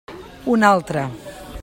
Una altra.